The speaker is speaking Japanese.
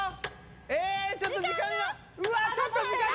えっちょっと時間が！